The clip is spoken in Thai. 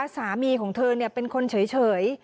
สามีของเธอเป็นคนเฉย